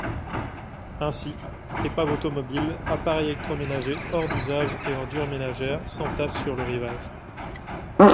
Ainsi, épaves automobiles, appareils électroménagers hors d'usage et ordures ménagères s'entassent sur le rivage.